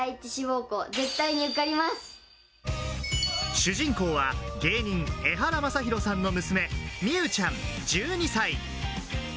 主人公は芸人・エハラマサヒロさんの娘・美羽ちゃん、１２歳。